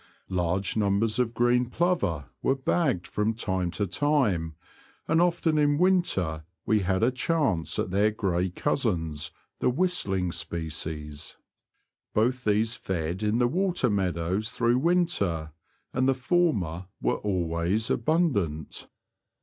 Large numbers of green plover were bagged from time to time, and often in winter we had a chance at their grey cousins, the whistling species. Both these fed in the water meadows through winter, and the former were always abundant.